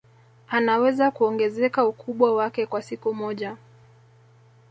anaweza kuongezeka ukubwa wake kwa siku moja